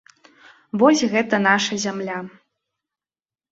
Вось гэта наша зямля.